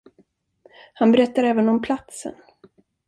Han berättar även om platsen.